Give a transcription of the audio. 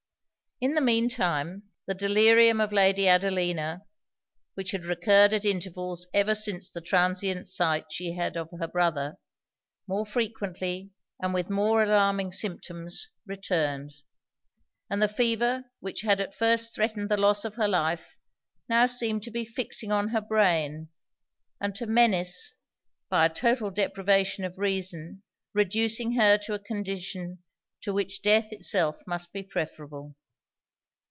In the mean time the delirium of Lady Adelina, (which had recurred at intervals ever since the transient sight she had of her brother) more frequently, and with more alarming symptoms, returned; and the fever which had at first threatened the loss of her life, now seemed to be fixing on her brain, and to menace, by a total deprivation of reason, reducing her to a condition to which death itself must be preferable.